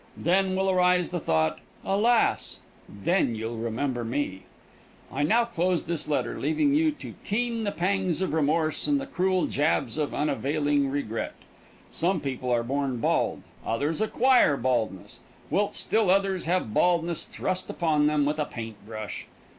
Then will arise the thought, alas! Then You'll Remember Me. I now close this letter, leaving you to the keen pangs of remorse and the cruel jabs of unavailing regret. Some people are born bald, others acquire baldness, whilst still others have baldness thrust upon them with a paint brush.